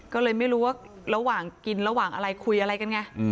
ก็เลยไม่รู้ว่าระหว่างกินระหว่างอะไรคุยอะไรกันไง